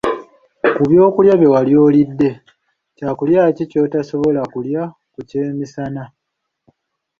Ku byokulya bye wali olidde, kyakulya ki ky’otasobola kulya ku kyamisana?